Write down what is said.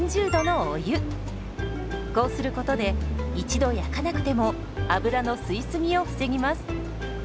こうすることで一度焼かなくても油の吸い過ぎを防ぎます。